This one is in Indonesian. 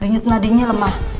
ringit madinya lemah